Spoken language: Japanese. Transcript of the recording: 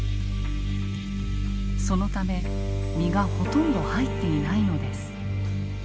そのため身がほとんど入っていないのです。